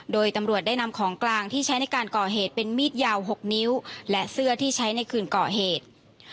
โดยตำรวจได้นำของกลางที่ใช้ในการก่อเหตุเป็นมีดยาว๖นิ้วและเสื้อที่ใช้ในคืนก่อเหตุ